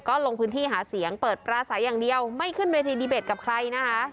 ก็ลงพื้นที่หาเสียงเปิดปราศัยอย่างเดียวไม่ขึ้นเวทีดีเบตกับใครนะคะ